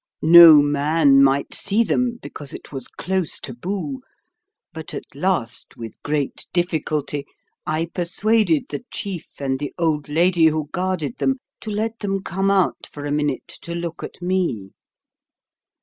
No man might see them, because it was close taboo; but at last, with great difficulty, I persuaded the chief and the old lady who guarded them to let them come out for a minute to look at me.